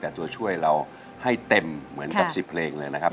แต่ตัวช่วยเราให้เต็มเหมือนกับ๑๐เพลงเลยนะครับ